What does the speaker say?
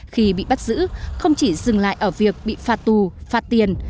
khi bị bắt giữ không chỉ dừng lại ở việc bị phạt tù phạt tiền